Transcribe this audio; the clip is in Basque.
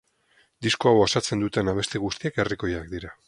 Disko hau osatzen duten abesti guztiak herrikoiak dira.